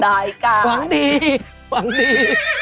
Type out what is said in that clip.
ได้กายค่ะฮ่าปะหวังดี